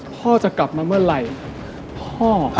พ่อจะกลับมาเมื่อไหร่พ่อ